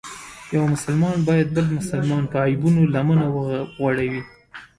یو مسلمان باید د بل مسلمان په عیبونو لمنه وغوړوي.